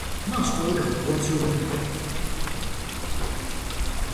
მას ყველგან უარს ეუბნებიან.